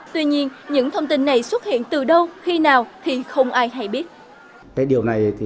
tuy nhiên những thông tin này xuất hiện từ đâu khi nào thì không ai hay biết